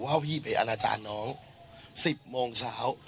ว่าพี่ไปอนาจารย์น้อง๑๐โมงเช้า